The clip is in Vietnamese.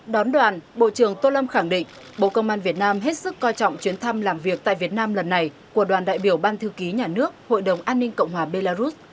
đón đoàn bộ trưởng tô lâm khẳng định bộ công an việt nam hết sức coi trọng chuyến thăm làm việc tại việt nam lần này của đoàn đại biểu ban thư ký nhà nước hội đồng an ninh cộng hòa belarus